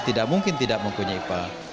tidak mungkin tidak mempunyai ipal